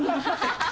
ハハハ！